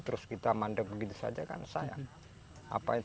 terus kita mandek begitu saja kan saya